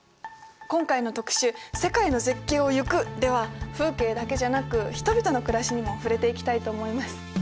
今回の特集「世界の絶景をゆく」では風景だけじゃなく人々の暮らしにも触れていきたいと思います。